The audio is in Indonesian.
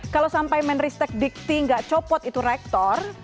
kalau sampai menristek dikti nggak copot itu rektor